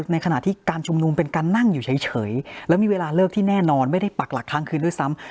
ในขณะที่การชุมนุมเป็นการนั่งอยู่เฉยแล้วมีเวลาเลิกที่แน่นอนไม่ได้ปักหลักครั้งคืนด้วยซ้ำ